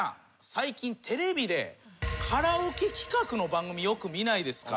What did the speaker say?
最近テレビでカラオケ企画の番組よく見ないですか？